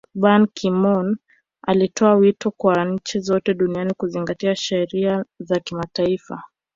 Ban Kin moon alitoa wito kwa nchi zote duniani kuzingatia sheria za kimataifa